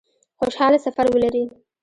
خوشحاله سفر ولري